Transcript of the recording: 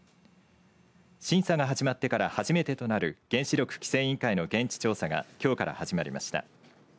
審査が始まってから初めてとなる原子力規制委員会の現地調査がきょうから始まりました。